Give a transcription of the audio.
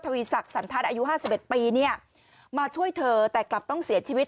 วีสักสันทัศน์อายุ๕๑ปีเนี่ยมาช่วยเธอแต่กลับต้องเสียชีวิต